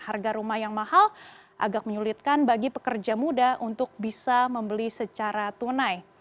harga rumah yang mahal agak menyulitkan bagi pekerja muda untuk bisa membeli secara tunai